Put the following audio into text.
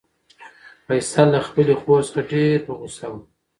فیصل له خپلې خور څخه ډېر په غوسه و.